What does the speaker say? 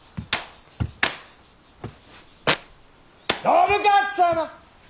信雄様！